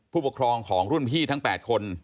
ผู้ปกครองของรุ่นพี่ทั้ง๘คน